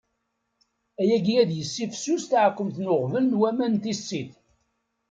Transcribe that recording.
Ayagi ad yessifsus taɛkkemt n uɣbel n waman n tissit.